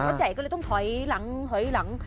ใหญ่ก็เลยต้องถอยหลังถอยหลัง